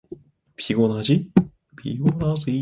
피곤하지?